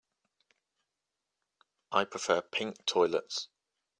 I prefer pink toilets.